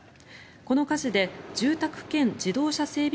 この火事で住宅兼自動車整備